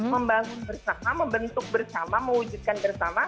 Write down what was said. membangun bersama membentuk bersama mewujudkan bersama